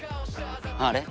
あれ？